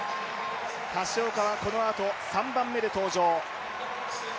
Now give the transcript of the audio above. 橋岡はこのあと３番目で登場。